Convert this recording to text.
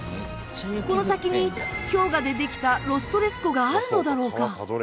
この先に氷河でできたロス・トレス湖があるのだろうか？